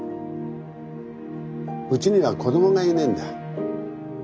うちには子どもがいねえんだ。